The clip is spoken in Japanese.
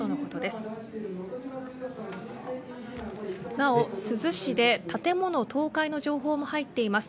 なお珠洲市で建物倒壊の情報も入っています。